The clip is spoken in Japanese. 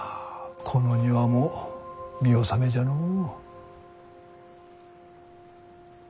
この庭も見納めじゃのう。